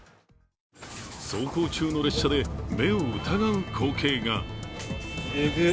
走行中の列車で目を疑う光景が。